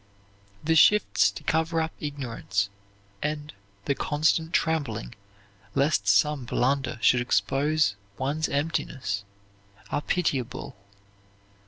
The shifts to cover up ignorance, and "the constant trembling lest some blunder should expose one's emptiness," are pitiable.